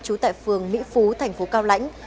trú tại phường mỹ phú tp cao lãnh